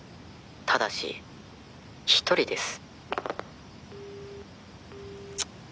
ただし１人です」